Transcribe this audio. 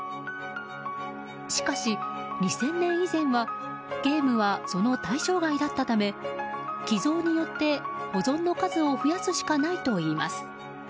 しかし、２０００年以前はゲームはその対象外だったため寄贈によって、保存の数を増やすしかないといいます。